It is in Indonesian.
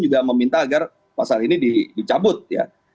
juga meminta agar pasal ini dicabut ya